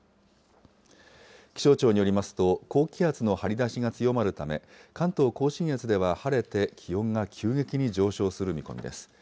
気象庁によりますと、高気圧の張り出しが強まるため、関東甲信越では晴れて気温が急激に上昇する見込みです。